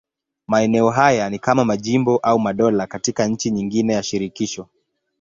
Maeneo haya ni kama majimbo au madola katika nchi nyingine ya shirikisho.